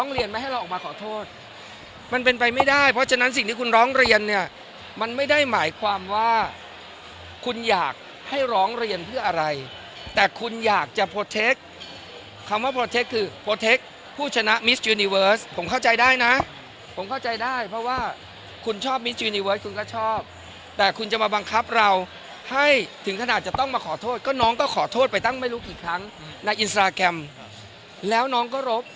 ได้เพราะฉะนั้นสิ่งที่คุณร้องเรียนเนี่ยมันไม่ได้หมายความว่าคุณอยากให้ร้องเรียนเพื่ออะไรแต่คุณอยากจะโปรเทคคำว่าโปรเทคคือโปรเทคผู้ชนะมิสต์ยูนิเวิร์สผมเข้าใจได้นะผมเข้าใจได้เพราะว่าคุณชอบมิสต์ยูนิเวิร์สคุณก็ชอบแต่คุณจะมาบังคับเราให้ถึงขนาดจะต้องมาขอโทษก็น้องก็ขอโทษไปตั้ง